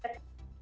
ke asia tenggara